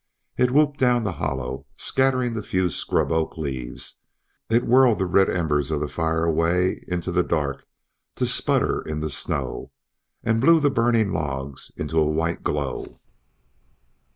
It whooped down the hollow, scattering the few scrub oak leaves; it whirled the red embers of the fire away into the dark to sputter in the snow, and blew the burning logs into a white glow.